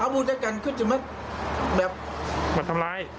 มันจะมาทำลาย